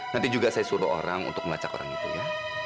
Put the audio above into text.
nanti juga saya suruh orang untuk melacak orang itu ya